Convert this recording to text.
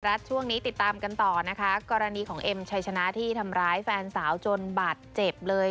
รัฐช่วงนี้ติดตามกันต่อนะคะกรณีของเอ็มชัยชนะที่ทำร้ายแฟนสาวจนบาดเจ็บเลย